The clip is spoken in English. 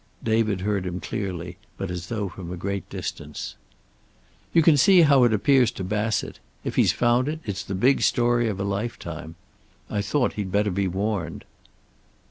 David heard him clearly, but as though from a great distance. "You can see how it appears to Bassett. If he's found it, it's the big story of a lifetime. I thought he'd better be warned."